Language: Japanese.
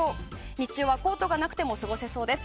日中はコートがなくても過ごせそうです。